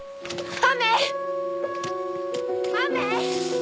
雨！